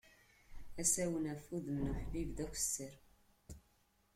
Asawen ɣef wudem n uḥbib, d akessar.